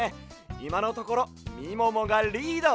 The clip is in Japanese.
いまのところみももがリード！